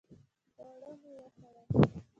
خواړه مې وخوړل